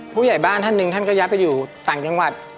ผู้ใหญ่บ้านท่านหนึ่งท่านก็ย้ายไปอยู่ต่างจังหวัด